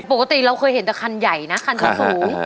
ปกติเราเคยเห็นแต่คันใหญ่นะคันจะสูง